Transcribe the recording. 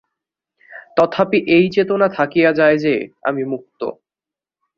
তথাপি এই চেতনা থাকিয়া যায় যে, আমি মুক্ত।